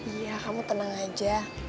iya kamu tenang aja